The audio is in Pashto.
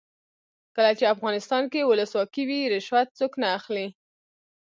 کله چې افغانستان کې ولسواکي وي رشوت څوک نه اخلي.